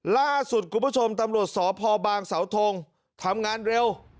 ล่าสุดคุณผู้ชมตำรวจสพบางสาวทงทำงานเร็ว